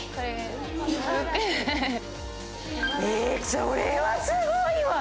それはすごいわ！